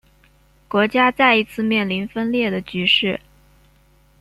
国家再一次面临分裂的局势。